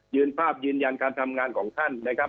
ภาพยืนยันการทำงานของท่านนะครับ